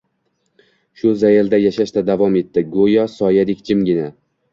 Shu zayilda yashashda davom etdi, go`yo soyadek, jimgina